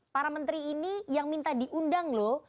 para menteri ini yang minta diundang loh